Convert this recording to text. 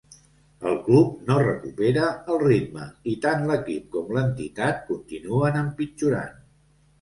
El club no recupera el ritme, i tant l'equip com l'entitat continuen empitjorant.